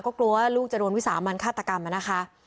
ก็กลัวว่าลูกจะโดนวิสามันฆาตกรรมนะคะ